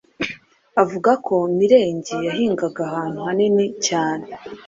avuga ko Mirenge yahingaga ahantu hanini cyane.